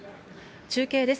中継です。